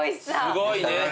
すごいね！